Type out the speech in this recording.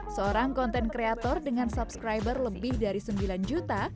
seorang konten kreator dengan subscriber lebih dari sembilan juta